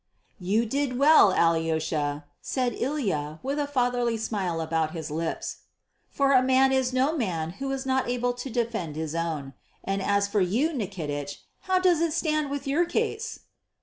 "You did well, Alyosha," said Ilya with a fatherly smile about his lips, "for a man is no man who is not able to defend his own. And as for you, Nikitich, how does it stand with your case?"